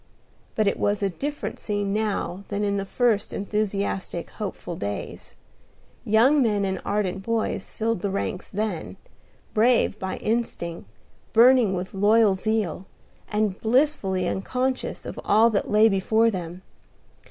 But it was a different scene now than in the first enthusiastic, hopeful days. Young men and ardent boys filled the ranks then, brave by instinct, burning with loyal zeal, and blissfully unconscious of all that lay before them.